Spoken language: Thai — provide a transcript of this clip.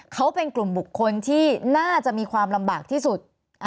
เขาเป็นกลุ่มบุคคลที่น่าจะมีความลำบากที่สุด